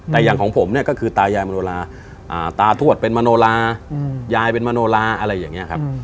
แต่อย่างของผมเนี่ยก็คือตายายมโนลาตาทวดเป็นมโนลายายเป็นมโนลาอะไรอย่างนี้ครับ